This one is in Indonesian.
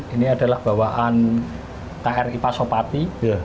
ini adalah bawaan kri pasopati